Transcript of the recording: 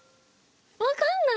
わかんない！